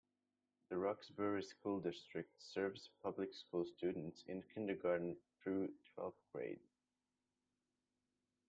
The Roxbury School District serves public school students in kindergarten through twelfth grade.